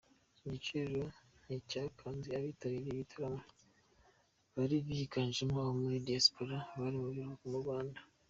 Igiciro nticyakanze abitabiriye igitaramo bari biganjemo abo muri diaspora bari mu biruhuko mu Rwanda.